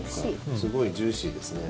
すごいジューシーですね。